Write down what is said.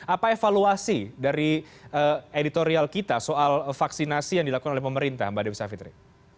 apa evaluasi dari editorial kita soal vaksinasi yang dilakukan oleh pemerintah mbak dewi savitri